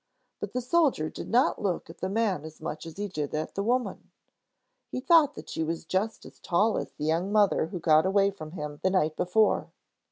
But the soldier did not look at the man as much as he did at the woman. He thought that she was just as tall as the young mother who got away from him the night before.